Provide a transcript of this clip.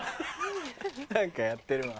何かやってるわ。